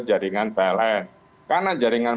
jaringan pln karena jaringan